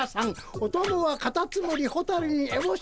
おともはカタツムリホタルにえぼし」。